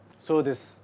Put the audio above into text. そうです。